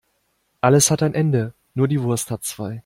Alles hat ein Ende, nur die Wurst hat zwei.